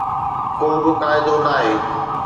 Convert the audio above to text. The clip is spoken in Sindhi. ڪو به قاعدو ناهي.